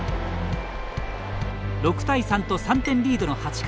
６対３と３点リードの８回。